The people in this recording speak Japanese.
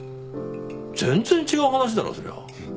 全然違う話だろそりゃ。